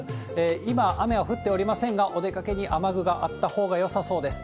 今、雨は降っておりませんが、お出かけに雨具があったほうがよさそうです。